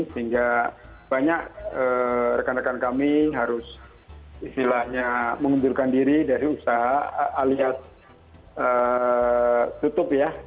sehingga banyak rekan rekan kami harus istilahnya mengundurkan diri dari usaha alias tutup ya